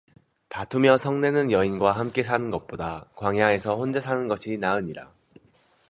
다투며 성내는 여인과 함께 사는 것보다 광야에서 혼자 사는 것이 나으니라